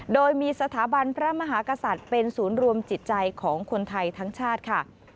โดยมีสถาบันพระมหากษัตริย์เป็นศูนย์รวมจิตใจของคนไทยทั้งชาติค่ะ